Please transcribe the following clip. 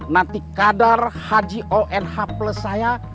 nanti kadar haji onh plus saya